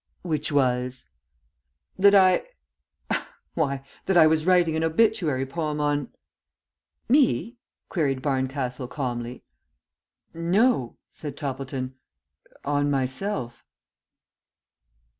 "Which was?" "That I ah why, that I was writing an obituary poem on " "Me?" queried Barncastle, calmly. "No," said Toppleton. "On myself."